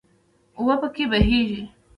اوبه پکې بهیږي.